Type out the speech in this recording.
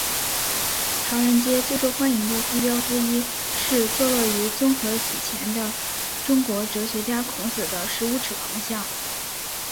唐人街最受欢迎的地标之一是坐落于综合体前的中国哲学家孔子的十五尺铜像。